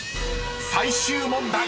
［最終問題］